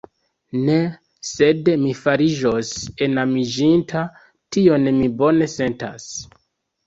Ne, sed mi fariĝos enamiĝinta; tion mi bone sentas.